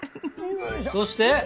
そして？